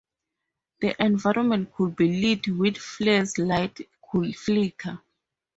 The environment could be lit with flares, lights could flicker.